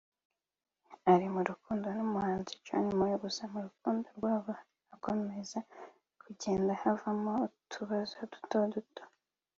ari mu rukundo n’umuhanzi John Mayor gusa mu rukundo rwabo hakomeza kugenda havukamo utubazo duto duto